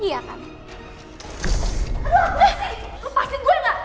aduh apa sih lo pasin gue gak